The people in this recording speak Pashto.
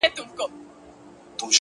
ځكه مي دعا؛ دعا؛ دعا په غېږ كي ايښې ده؛